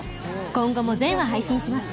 今後も全話配信します